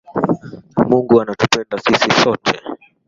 Mungu anatupenda sisi sote